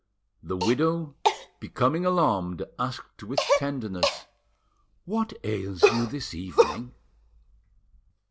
The widow, becoming alarmed, asked with tenderness— "What ails you this evening?"